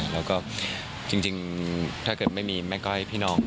แล้วก็จริงถ้าเกิดไม่มีแม่ก้อยพี่น้อง